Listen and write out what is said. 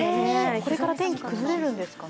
これから天気、崩れるんですかね。